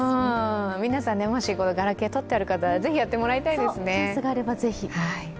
皆さん、もしガラケーをとってある方はぜひやってもらいたいです。